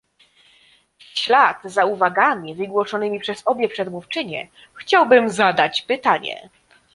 W ślad za uwagami wygłoszonymi przez obie przedmówczynie chciałbym zadać pytanie